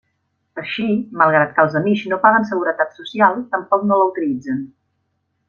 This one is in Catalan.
Així, malgrat que els amish no paguen Seguretat Social, tampoc no la utilitzen.